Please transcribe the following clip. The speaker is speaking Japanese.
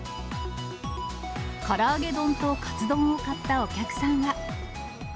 から揚げ丼とカツ丼を買ったお客さんは。